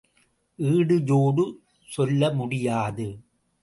ஈடு ஜோடு சொல்ல முடியாது.